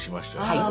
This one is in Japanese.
はい。